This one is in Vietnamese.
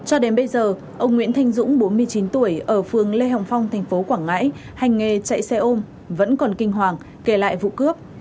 cho đến bây giờ ông nguyễn thanh dũng bốn mươi chín tuổi ở phường lê hồng phong thành phố quảng ngãi hành nghề chạy xe ôm vẫn còn kinh hoàng kể lại vụ cướp